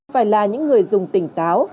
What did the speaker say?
phải là những người dùng tỉnh táo